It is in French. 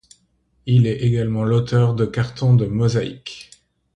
Il est également l'auteur de cartons de mosaïques.